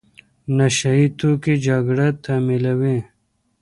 نشه يي توکي جګړه تمویلوي.